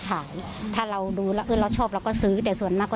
ขายถ้าเราดูแล้วเออเราชอบเราก็ซื้อแต่ส่วนมาก